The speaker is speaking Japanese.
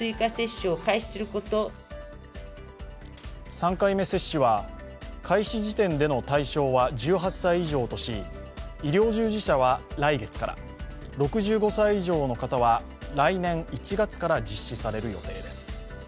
３回目接種は開始時点での対象は１８歳以上とし医療従事者は来月から、６５歳以上の方は来年１月から実施される予定です。